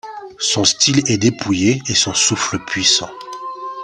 Son style est dépouillé et son souffle puissant.